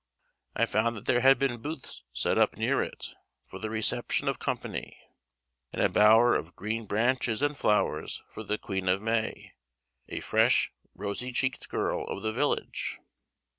I found that there had been booths set up near it, for the reception of company; and a bower of green branches and flowers for the Queen of May, a fresh, rosy cheeked girl of the village.